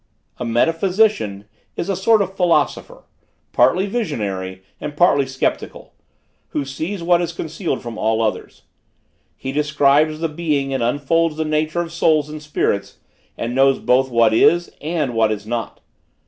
"A metaphysician is a sort of philosopher, partly visionary and partly sceptical, who sees what is concealed from all others. He describes the being and unfolds the nature of souls and spirits, and knows both what is, and what is not.